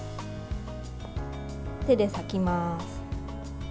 手で裂きます。